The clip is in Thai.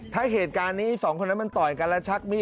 ถ้าเหตุการณ์นี้สองคนนั้นมันต่อยกันแล้วชักมีด